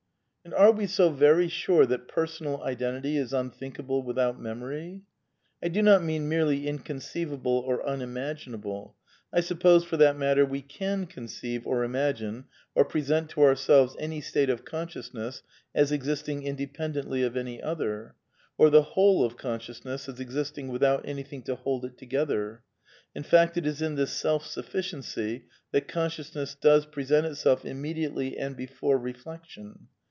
And are we so very sure that Personal Identity is un thinkable without Memory ? I do not mean merely inconceivable or unimaginable. I suppose, for that matter, we can conceive, or imagine, or present to ourselves any state of consciousness as existing independently of any other, or the whole of consciousness as existing without anything to *'hold it together"; in fact, it is in this self sufficiency that consciousness does present itself immediately and before reflection.